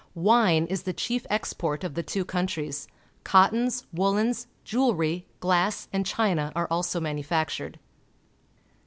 Wine is the chief export of the two countries. Cottons, woollens, jewel lery, glass, and china are also manufactured.